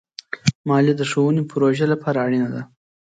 مالیه د ښوونې پروژو لپاره اړینه ده.